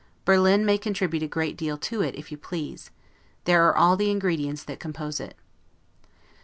Berlin may contribute a great deal to it if you please; there are all the ingredients that compose it.